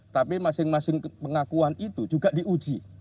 tapi masing masing pengakuan itu juga diuji